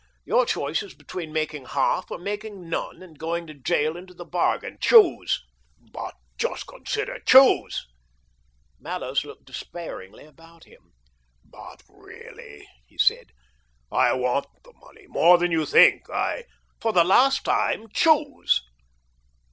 Your choice is between making hjhU, or making none, and going to gaol into the bargain. Choose !"" But just consider "" Choose !" Mallows looked despairingly about him. But really," he said, " I want the money more than you think. I "" For the last time — choose